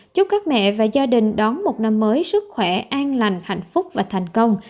chúc các mẹ và gia đình đón một năm mới sức khỏe an lành hạnh phúc và thành công